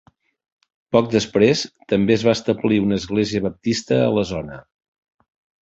Poc després també es va establir una església baptista a la zona.